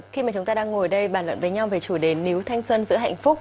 khi mà chúng ta đang ngồi đây bàn luận với nhau về chủ đề níu thanh xuân giữa hạnh phúc